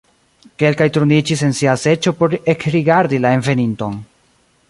Kelkaj turniĝis en sia seĝo por ekrigardi la enveninton.